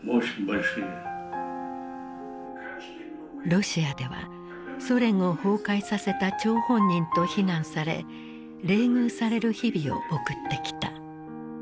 ロシアではソ連を崩壊させた張本人と非難され冷遇される日々を送ってきた。